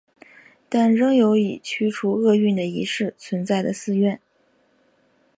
但仍有以驱除恶运的仪式存在的寺院。